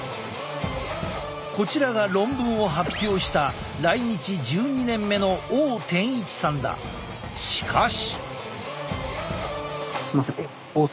こちらが論文を発表した来日１２年目のしかし。